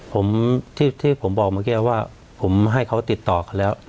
ผมที่ผมบอกเมื่อกี้ว่าผมให้เขาติดต่อเขาแล้ว